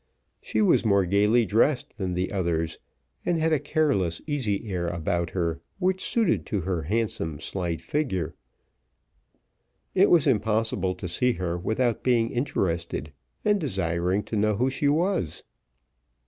She was more gaily dressed than the others, and had a careless, easy air about her, which suited to her handsome, slight figure. It was impossible to see her without being interested, and desiring to know who she was.